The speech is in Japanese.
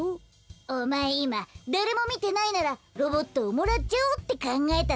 おまえいまだれもみてないならロボットをもらっちゃおうってかんがえただろ？